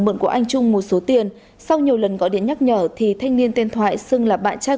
mượn của anh trung một số tiền sau nhiều lần gọi điện nhắc nhở thì thanh niên tên thoại xưng là bạn trai